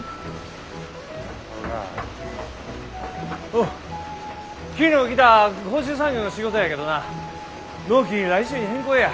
おう昨日来た高秀産業の仕事やけどな納期来週に変更や。